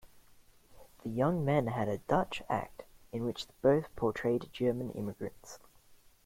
The young men had a "Dutch act" in which both portrayed German immigrants.